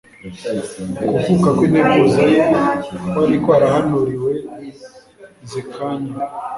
Ukuvuka kw'integuza ye, kwari kwarahanuriwe Zekanya,